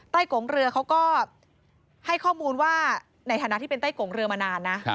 โกงเรือเขาก็ให้ข้อมูลว่าในฐานะที่เป็นไต้กงเรือมานานนะ